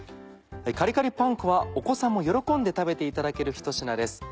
カリカリパン粉はお子さんも喜んで食べていただけるひと品です。